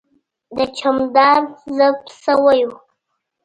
د چمدان زپ شوی و.